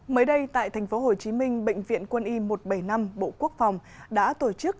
mới đây tại tp hcm bệnh viện quân y một trăm bảy mươi năm bộ quốc phòng đã tổ chức